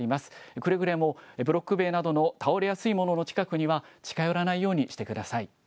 くれぐれもブロック塀などの倒れやすいものの近くには近寄らないようにしてください。